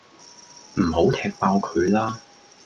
唔好踢爆佢喇